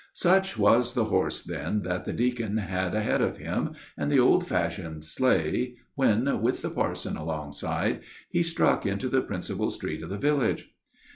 Such was the horse, then, that the deacon had ahead of him, and the old fashioned sleigh, when, with the parson alongside, he struck into the principal street of the village.